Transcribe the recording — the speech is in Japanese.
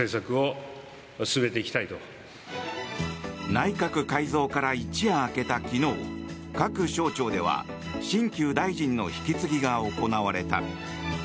内閣改造から一夜明けた昨日各省庁では新旧大臣の引き継ぎが行われた。